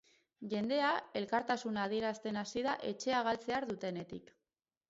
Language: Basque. Jendea elkartasuna adierazten hasi da etxea galtzear dutenekin.